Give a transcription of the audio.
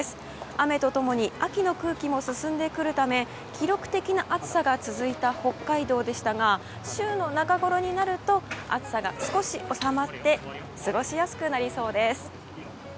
雨と共に秋の空気も進んでくるため記録的な暑さが続いた北海道でしたが週の中ごろになると暑さが少し収まって過ごしやすくなりそうです。